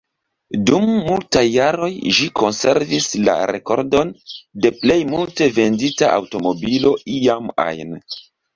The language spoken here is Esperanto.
Dum multaj jaroj, ĝi konservis la rekordon de plej multe vendita aŭtomobilo iam ajn.